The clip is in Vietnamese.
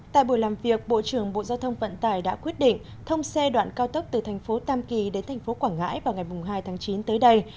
tại buổi làm việc bộ trưởng bộ giao thông vận tải đã quyết định thông xe đoạn cao tốc từ thành phố tam kỳ đến thành phố quảng ngãi vào ngày hai tháng chín tới đây